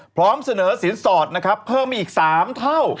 พร้อมเสนอสินสอดนะครับเพิ่มมาอีก๓เท่า